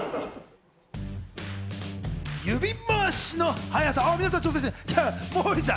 指回しの速さ。